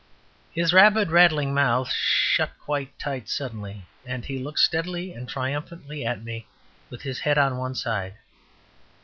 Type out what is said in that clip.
His rapid rattling mouth shut quite tight suddenly, and he looked steadily and triumphantly at me, with his head on one side.